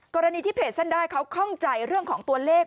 กรณีที่เพจเส้นได้เขาข้องใจเรื่องของตัวเลข